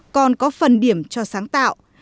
còn có phần điểm cho sáng tạo